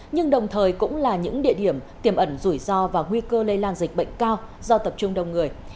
nhưng đồng thời cũng là những địa điểm tiềm ẩn rủi ro và nguy cơ lây lan dịch bệnh cao do tập trung đông người